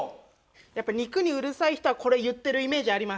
やっぱ肉にうるさい人はこれ言ってるイメージあります。